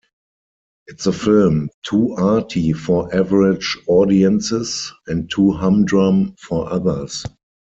It's a film too arty for average audiences, and too humdrum for others.